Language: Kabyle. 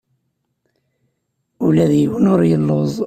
Ula d yiwen ur yelluẓ.